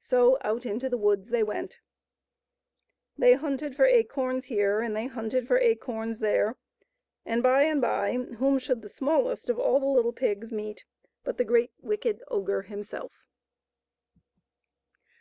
So out into the woods they went. They hunted for acorns here and they hunted for acorns there, and by and by whom should the smallest of all the little pigs meet but the great, wicked ogre himself.